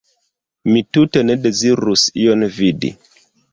Mi tute ne dezirus ion vidi!